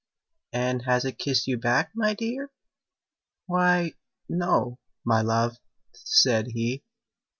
"And has it kissed you back, my dear?" "Why no my love," said he.